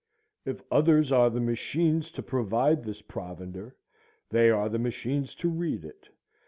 If others are the machines to provide this provender, they are the machines to read it.